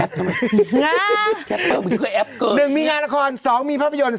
แก๊ปเปอร์ผมอยู่ที่แอปเกอดึงเดี๋ยวมีงานละครสองมีภาพยนตร์